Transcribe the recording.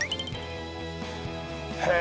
へえ。